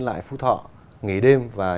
lại phú thọ nghỉ đêm và